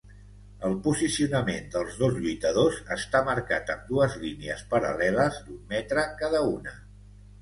El posicionament dels dos lluitadors està marcat amb dues línies paral·leles d'un metre cada una.